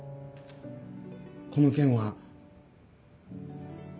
この件は。